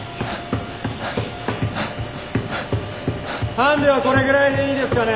ハンデはこれぐらいでいいですかね。